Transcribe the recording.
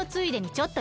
ちょっと！